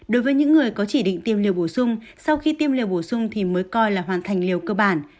đối với những người có chỉ định tiêm liều bổ sung sau khi tiêm liều bổ sung thì mới coi là hoàn thành liều cơ bản